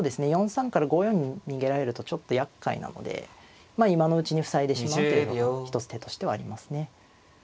４三から５四に逃げられるとちょっとやっかいなので今のうちに塞いでしまうというのが一つ手としてはありますね。